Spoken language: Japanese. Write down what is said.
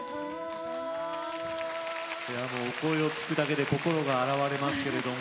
いやもうお声を聴くだけで心が洗われますけれども。